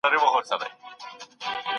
توره پټه کړه نیام کي، وار د میني دی راغلی